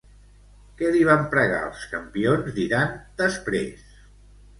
Què li van pregar els campions d'Iran després?